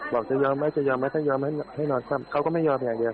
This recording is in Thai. บอกจะยอมไหมจะยอมไหมถ้ายอมให้นอนซ่อมเขาก็ไม่ยอมอย่างเดียว